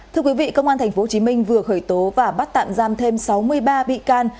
thưa quý vị công an tp hcm vừa khởi tố và bắt tạm giam thêm sáu mươi ba bị can